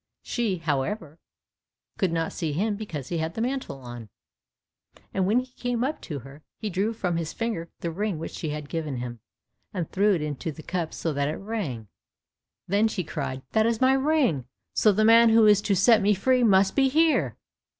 She, however, could not see him because he had the mantle on. And when he came up to her, he drew from his finger the ring which she had given him, and threw it into the cup so that it rang. Then she cried, "That is my ring, so the man who is to set me free must be here."